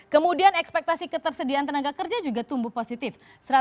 kemudian ekspektasi ketersediaan tenaga kerja juga tumbuh positif